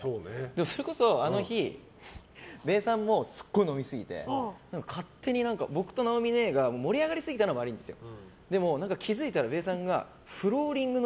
それこそ、あの日べーさんもすごい飲みすぎて勝手に僕と直美ねえが盛り上がりすぎたのが悪いんですよ。